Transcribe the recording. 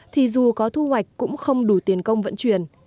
thì dù có thu hoạch cũng không đủ tiền công vận chuyển